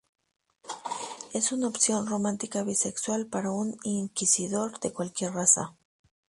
Es una opción romántica bisexual para un Inquisidor de cualquier raza.